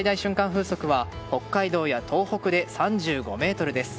風速は北海道や東北で３５メートルです。